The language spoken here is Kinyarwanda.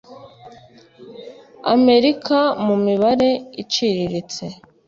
amerika mu mibare iciriritse,